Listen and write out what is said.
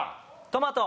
トマト。